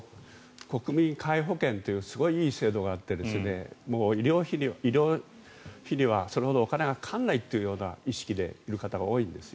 国民皆保険というすごいいい制度があって医療費が、それほどお金がかからないという意識でいる人が多いんです。